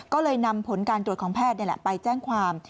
ก็เลยนำผลการตรวจของแพทย์นี่แหละไปแจ้งความ